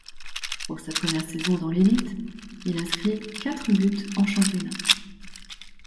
Pour sa première saison dans l'élite, il inscrit quatre buts en championnat.